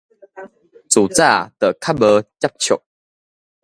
自早就較無接觸